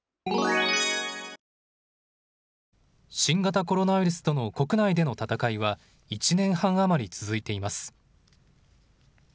新型コロナウイルスとの国内での闘いは１年半余り続いています。